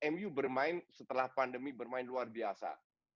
mu bermain setelah pandemi bermain luar biasa